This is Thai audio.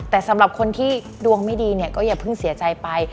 แต่สำหรับคนที่ดวงไม่ดีเนี่ยก็อย่าเพิ่งเสียใจไป